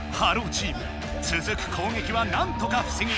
チームつづく攻撃はなんとかふせぎ